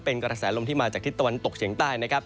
เป็นกระแสลมที่มาจากทิศตะวันตกเฉียงใต้นะครับ